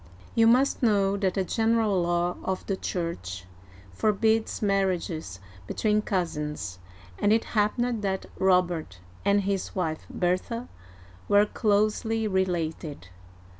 You must know that a general law of the Church forbids marriages between cousins, and it happened that Robert and his wife Bertha were closely related.